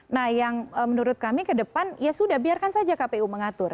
nah yang menurut kami ke depan ya sudah biarkan saja kpu mengatur